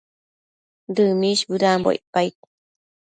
Dëmish bëdambo icpaid